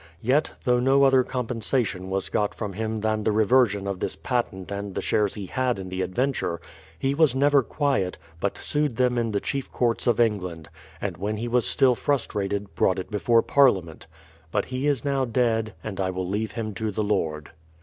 Yet, though no other compensation was got from him than the reversion of this patent and the shares he had in the adventure, he was never quiet, but sued them in the chief courts of England, and when he was still frustrated, brought it before Parliament. But he is now dead, and I will leave him to the Lord.